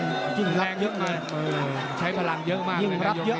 ขื้นมากยิ่งเลยใช้พลังเยอะมากเลย